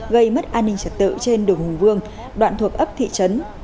gây mất an ninh trật tự trên đường hùng vương đoạn thuộc ấp thị trấn